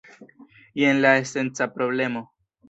Jen la esenca problemo.